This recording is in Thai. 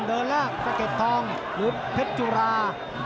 เดินแล้วสะเก็ดทองหรือเพชรจุรา